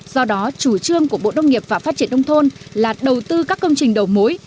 do đó chủ trương của bộ nông nghiệp và phát triển nông thôn là đầu tư các công trình đầu mối